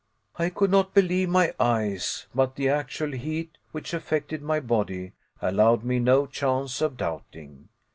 I could not believe my eyes, but the actual heat which affected my body allowed me no chance of doubting.